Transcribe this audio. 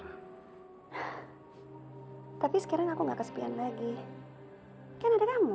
hai tapi sekarang aku nggak kesepian lagi kan ada kamu